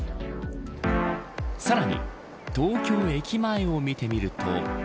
さらに東京駅前を見てみると。